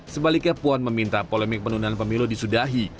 sebaliknya puan meminta polemik penundaan pemilu disudahi